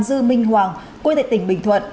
dư minh hoàng quê tệ tỉnh bình thuận